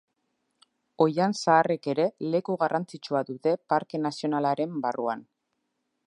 Oihan zaharrek ere leku garrantzitsua dute parke nazionalaren barruan.